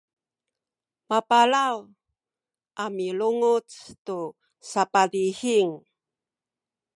mapalaw a milunguc tu sapadihing